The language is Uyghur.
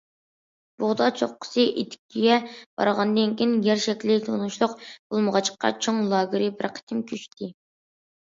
بوغدا چوققىسى ئېتىكىگە بارغاندىن كېيىن يەر شەكلى تونۇشلۇق بولمىغاچقا، چوڭ لاگېر بىر قېتىم كۆچتى.